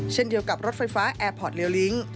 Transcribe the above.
เช่นเดียวกับรถไฟฟ้าแอร์พอร์ตเลลิ้ง